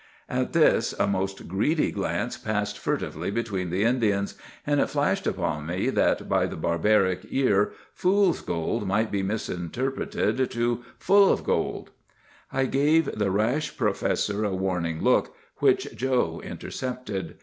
"At this a most greedy glance passed furtively between the Indians, and it flashed upon me that by the barbaric ear 'Fools' gold' might be misinterpreted to 'Full of gold.' "I gave the rash professor a warning look, which Joe intercepted.